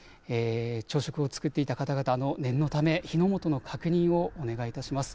朝食を作っていた方々、念のため火の元の確認をお願いいたします。